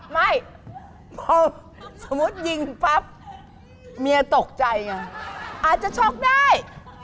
ไม่พอสมมุติยิงปั๊บเมียตกใจไงอาจจะช็อกได้